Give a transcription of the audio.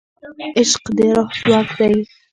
عشق د روح ځواک دی.